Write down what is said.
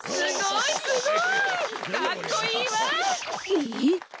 えっ？